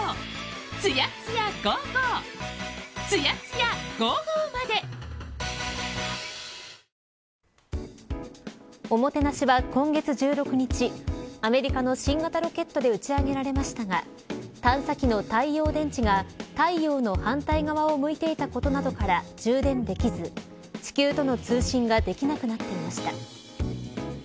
気になる慣れ初めなどはＯＭＯＴＥＮＡＳＨＩは今月１６日アメリカの新型ロケットで打ち上げられましたが探査機の太陽電池が太陽の反対側を向いていたことなどから充電できず地球との通信ができなくなっていました。